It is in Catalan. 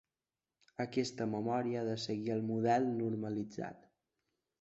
Aquesta memòria ha de seguir el model normalitzat.